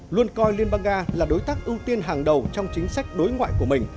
luôn coi liên bang nga là đối tác ưu tiên hàng đầu trong chính sách đối ngoại của mình